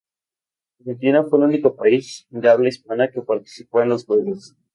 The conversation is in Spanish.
Argentina fue el único país de habla hispana que participó en los Juegos.